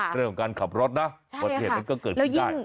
เรื่องของการขับรถนะบทเหตุมันก็เกิดขึ้นได้